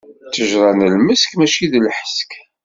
Ṭṭejṛa n lmesk, mačči d lḥesk.